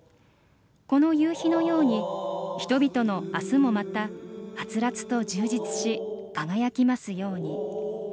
この夕日のように人々の明日もまたはつらつと充実し輝きますように。